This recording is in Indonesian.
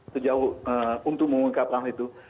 sejauh untuk mengungkapkan itu